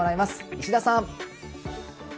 石田さん。